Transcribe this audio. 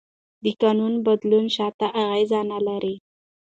د قانون بدلون شاته اغېز نه لري.